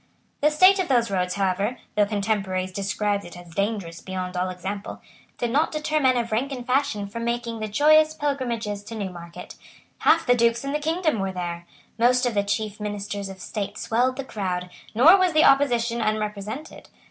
The state of those roads, however, though contemporaries described it as dangerous beyond all example, did not deter men of rank and fashion from making the joyous pilgrimages to Newmarket. Half the Dukes in the kingdom were there. Most of the chief ministers of state swelled the crowd; nor was the opposition unrepresented.